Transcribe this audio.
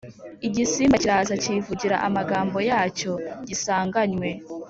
igisimba kiraza cyivugira amagambo yacyo gisanganywe